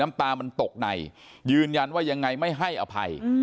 ตามันตกในยืนยันว่ายังไงไม่ให้อภัย